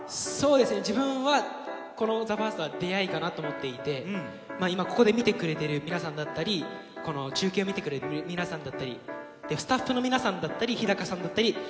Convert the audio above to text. そうですね、自分は、このＴＨＥＦＩＲＳＴは出会いかなと思っていて、今ここで見てくれてる皆さんだったり、この中継を見てくれてる皆さんだったり、スタッフの皆さんだったり、ひだかさんだったり、